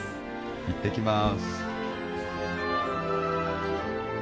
行ってきます